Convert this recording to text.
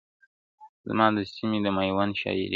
• زما د سيمي د ميوند شاعري .